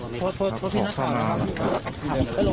พี่บอกว่าจะสึกที่เพราะอะไรมีกระแสอะไรครับถูกได้สึกครับ